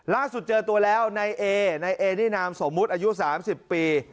ล่าสุดเจอตัวแล้วนายเอนายเอนี่นามสมมุติอายุ๓๐ปี